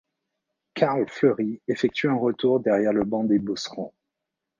Carl Fleury effectue un retour derrière le banc des beaucerons.